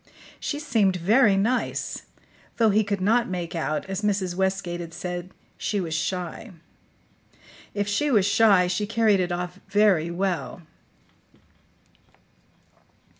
She seemed very nice, though he could not make out, as Mrs. Westgate had said, she was shy. If she was shy, she carried it off very well.